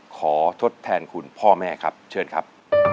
ทดแทนคุณพ่อแม่ครับเชิญครับ